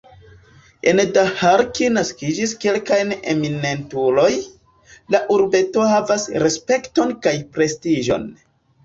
En Daharki naskiĝis kelkaj eminentuloj, la urbeto havas respekton kaj prestiĝon.